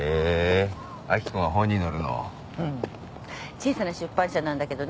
小さな出版社なんだけどね